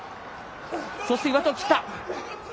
そして上手を切った。